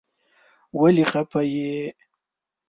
ولی خپه یی ؟